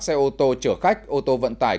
xe ô tô chở khách ô tô vận tải